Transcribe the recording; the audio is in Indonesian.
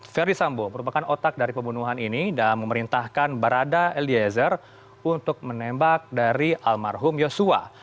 ferry sambo merupakan otak dari pembunuhan ini dan memerintahkan barada eliezer untuk menembak dari almarhum yosua